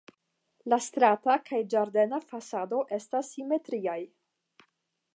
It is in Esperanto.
La strata kaj ĝardena fasadoj estas simetriaj.